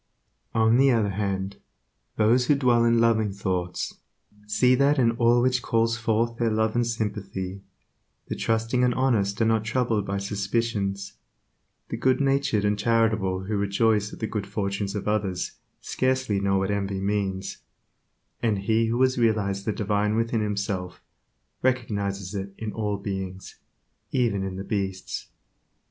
On the other hand, those who dwell in loving thoughts, see that in all which calls forth their love and sympathy; the trusting and honest are not troubled by suspicions; the good natured and charitable who rejoice at the good fortune of others, scarcely know what envy means; and he who has realized the Divine within himself recognizes it in all beings, even in the beasts.